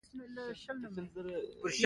له هغه چا سره چې سخت کار کوي .